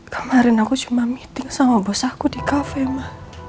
kemarin aku cuma meeting sama bos aku di kafe mah